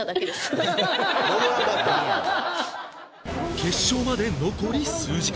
決勝まで残り数時間